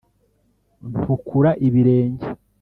ntukura ibirenge,